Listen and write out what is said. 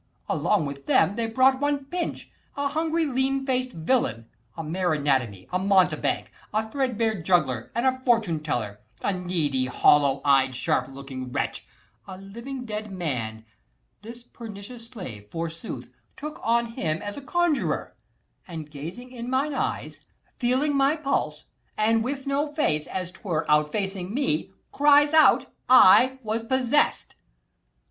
Along with them They brought one Pinch, a hungry lean faced villain, A mere anatomy, a mountebank, A threadbare juggler, and a fortune teller, A needy, hollow eyed, sharp looking wretch, 240 A living dead man: this pernicious slave, Forsooth, took on him as a conjurer; And, gazing in mine eyes, feeling my pulse, And with no face, as 'twere, outfacing me, Cries out, I was possess'd.